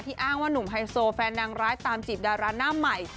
อ้างว่าหนุ่มไฮโซแฟนนางร้ายตามจีบดาราหน้าใหม่